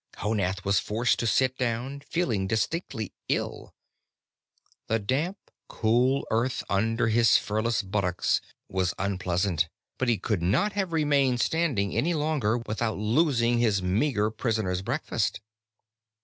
Honath was forced to sit down, feeling distinctly ill. The damp, cool earth under his furless buttocks was unpleasant, but he could not have remained standing any longer without losing his meagre prisoner's breakfast.